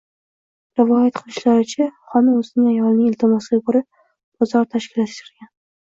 Rivoyat qilishlaricha, xon o‘zining ayolining iltimosiga ko‘ra bozor tashkillashtirgan.